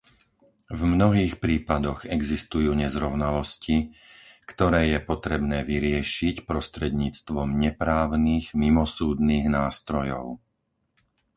V mnohých prípadoch existujú nezrovnalosti, ktoré je potrebné vyriešiť prostredníctvom neprávnych, mimosúdnych nástrojov.